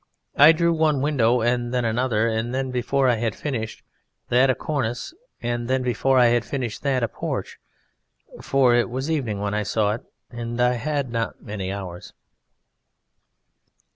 I drew one window and then another, and then before I had finished that a cornice, and then before I had finished that a porch, for it was evening when I saw it, and I had not many hours.